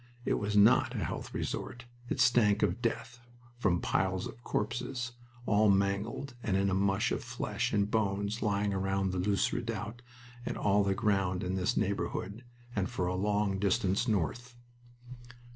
It was not a health resort. It stank of death, from piles of corpses, all mangled and in a mush of flesh and bones lying around the Loos redoubt and all the ground in this neighborhood, and for a long distance north.